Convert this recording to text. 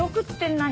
何？